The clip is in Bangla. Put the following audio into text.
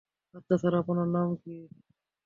আচ্ছা স্যার আপনার নাম কী?